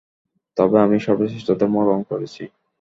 তবে আমি সর্বশ্রেষ্ঠ ধর্ম গ্রহণ করেছি।